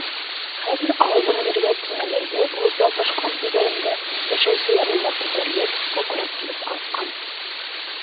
Хәҙер ауылдың ергә тиңәлерҙәй булып ялпашҡан өйҙәрендә йәшәүсе ярлылар күтәрелеп, күкрәк киреп ҡалҡҡан.